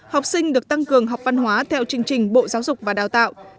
học sinh được tăng cường học văn hóa theo chương trình bộ giáo dục và đào tạo